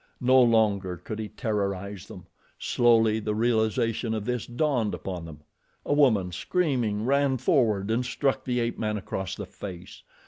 No longer could he terrorize them. Slowly the realization of this dawned upon them. A woman, screaming, ran forward and struck the ape man across the face.